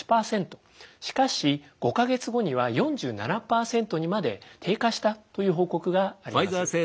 しかし５か月後には４７％にまで低下したという報告があります。